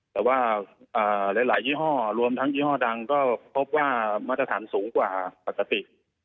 แต่ว่าหลายยี่ห้อรวมทั้งยี่ห้อดังก็พบว่ามาตรฐานสูงกว่าปกติ